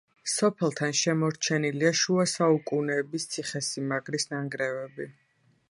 სოფელთან შემორჩენილია შუასაუკუნეების ციხესიმაგრის ნანგრევები.